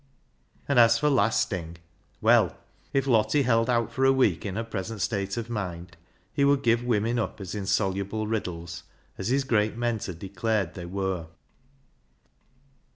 And as for lasting ! Well, if Lottie held out for a week in her present state of mind he would give women up as insoluble riddles, as his great mentor declared they v/ere.